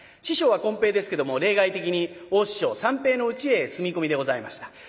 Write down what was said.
師匠はこん平ですけども例外的に大師匠三平のうちへ住み込みでございました。